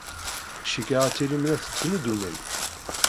Cikkeɣ ad tilim la tettnuddumem.